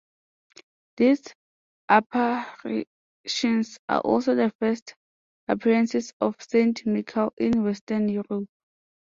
These apparitions are also the first appearances of Saint Michael in western Europe.